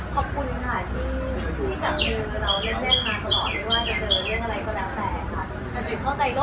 ขอบคุณค่ะที่มีความรู้เราเรื่องแน่นมาตลอด